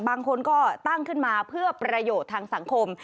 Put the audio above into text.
บางคนก็ตั้งขึ้นมาเพื่อประโยชน์ทางสังคม